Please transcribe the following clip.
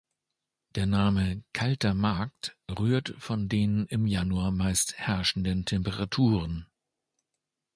Der Name "Kalter Markt" rührt von den im Januar meist herrschenden Temperaturen.